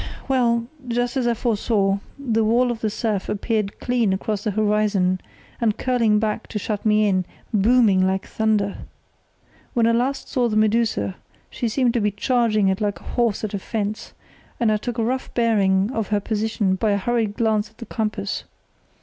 Well, just as I foresaw, the wall of surf appeared clean across the horizon, and curling back to shut me in, booming like thunder. When I last saw the Medusa she seemed to be charging it like a horse at a fence, and I took a rough bearing of her position by a hurried glance at the compass.